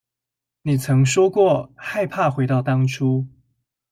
你曾說過害怕回到當初